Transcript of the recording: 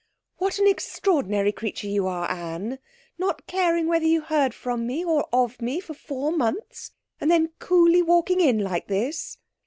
'What an extraordinary creature you are, Anne! Not caring whether you heard from me, or of me, for four months, and then coolly walking in like this.'